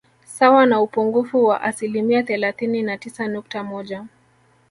Sawa na upungufu wa asilimia thelathini na tisa nukta moja